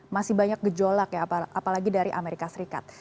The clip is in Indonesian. masih banyak gejolak ya apalagi dari amerika serikat